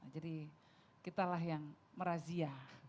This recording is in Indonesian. jadi kitalah yang merazia